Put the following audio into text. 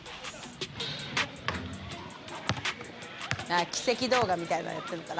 ああ、奇跡動画みたいなのやってるのかな？